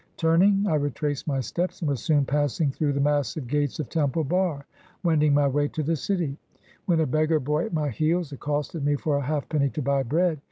Turning, I retraced my steps, and was soon passing through the massive gates of Temple Bar, wending my way to the city, when a beggar boy at my heels accost ed me for a half penny to buy bread.